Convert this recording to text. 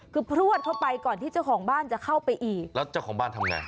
คือพลวดเข้าไปก่อนที่เจ้าของบ้านจะเข้าไปอีกแล้วเจ้าของบ้านทำไง